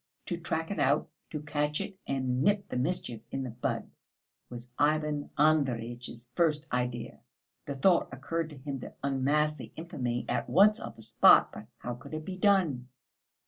"To track it out, to catch it and nip the mischief in the bud," was Ivan Andreyitch's first idea. The thought occurred to him to unmask the infamy at once on the spot; but how could it be done?